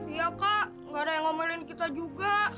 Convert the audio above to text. iya kak gak ada yang ngomongin kita juga